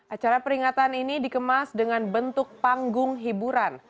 acara peringatan ini dikemas dengan bentuk panggung hiburan